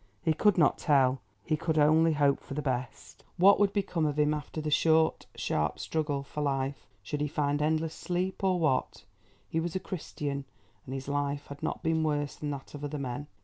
He could not tell; he could only hope for the best. And for himself! What would become of him after the short sharp struggle for life? Should he find endless sleep, or what? He was a Christian, and his life had not been worse than that of other men.